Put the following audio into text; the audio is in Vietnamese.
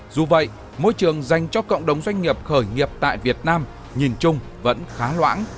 dù vậy môi trường dành cho cộng đồng doanh nghiệp khởi nghiệp tại việt nam nhìn chung vẫn khá loãng